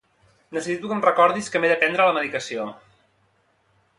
Necessito que em recordis que m'he de prendre la medicació.